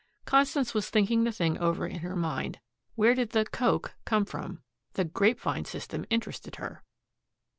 Constance was thinking the thing over in her mind. Where did the "coke" come from? The "grapevine" system interested her.